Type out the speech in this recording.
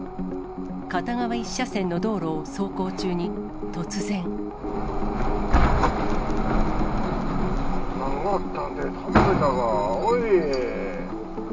片側１車線の道路を走行中に、突然。落ちたわー。